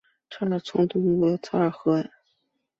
查尔村东部有嚓尔河。